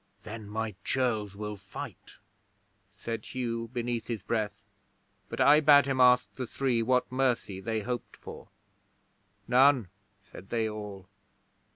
'"Then my churls will fight," said Hugh, beneath his breath; but I bade him ask the three what mercy they hoped for. '"None," said they all.